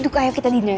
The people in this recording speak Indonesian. duduk ayo kita dinner